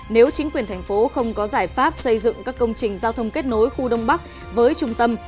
nếu chính quyền thành phố không có giải pháp xây dựng các công trình giao thông kết nối khu đông bắc với trung tâm